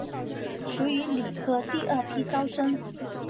属于理科第二批招生。